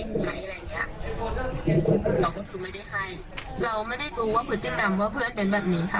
เราก็คือไม่ได้ให้เราไม่ได้รู้ว่าผู้จิตกรรมว่าเพื่อนเป็นแบบนี้ค่ะ